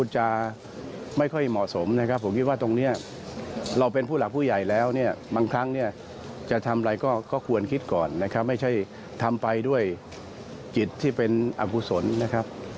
จะทำอะไรก็ควรคิดก่อนนะครับไม่ใช่ทำไปด้วยจิตที่เป็นอากุศลนะครับ